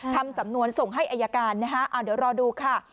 ทำสำนวนส่งให้อายการนะฮะเดี๋ยวรอดูค่ะ